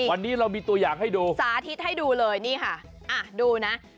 วันนี้เรามีตัวอย่างให้ดูสาธิตให้ดูเลยนี่ค่ะอ่ะดูนะ